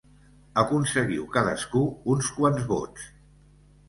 Aconseguiu cadascú uns quants vots.